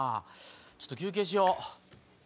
ちょっと休憩しよう。